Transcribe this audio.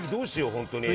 本当に。